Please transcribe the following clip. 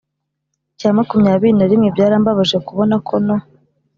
cya makumyabiri na rimwe! byarambabaje kubona ko no